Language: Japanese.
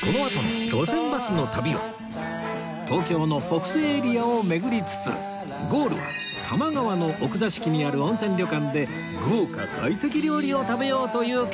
このあとの『路線バスの旅』は東京の北西エリアを巡りつつゴールは多摩川の奥座敷にある温泉旅館で豪華会席料理を食べようという計画